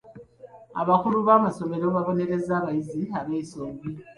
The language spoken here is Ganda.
Abakulu b'amasomero baabonereza abayizi abeeyisa obubi.